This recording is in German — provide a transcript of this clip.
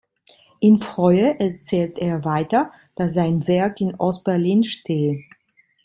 Ihn freue, erzählt er weiter, dass sein Werk in Ost-Berlin stehe.